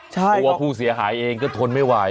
เพราะว่าผู้เสียหายเองก็ทนไม่ไหว